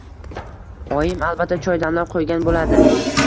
Oyim albatta choy damlab qo‘ygan bo‘ladi.